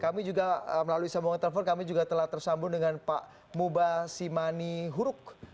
kami juga melalui sambungan telepon kami juga telah tersambung dengan pak muba simani huruk